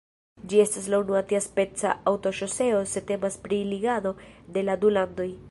Ĝi estas la unua tiaspeca aŭtoŝoseo se temas pri ligado de la du landoj.